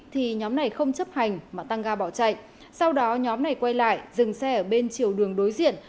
thì nhóm này không chấp hành mà tăng ga bỏ chạy sau đó nhóm này quay lại dừng xe ở bên chiều đường đối diện